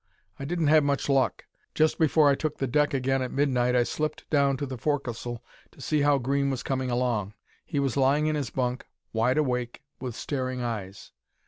I didn't have much luck. Just before I took the deck again at midnight I slipped down to the forecastle to see how Green was coming along. He was lying in his bunk, wide awake, with staring eyes.